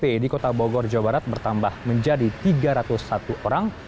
jadi kota bogor jawa barat bertambah menjadi tiga ratus satu orang